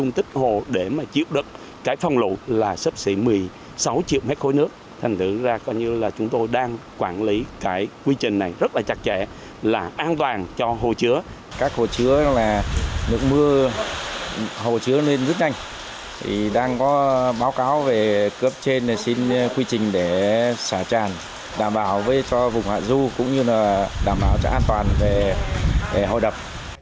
nước mưa hồ chứa lên rất nhanh đang có báo cáo về cướp trên xin quy trình để xả tràn đảm bảo cho vùng hạ dù cũng như đảm bảo cho an toàn về hồ đập